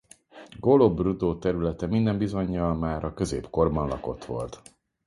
Golo Brdo területe minden bizonnyal már a középkorban lakott volt.